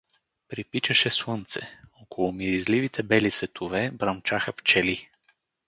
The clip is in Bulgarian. Припичаше слънце, около миризливите бели цветове бръмчаха пчели.